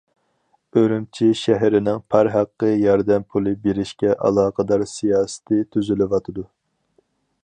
ئۈرۈمچى شەھىرىنىڭ پار ھەققى ياردەم پۇلى بېرىشكە ئالاقىدار سىياسىتى تۈزۈلۈۋاتىدۇ.